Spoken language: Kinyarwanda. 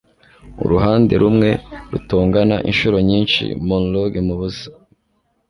uruhande rumwe rutongana inshuro nyinshi monologue mubusa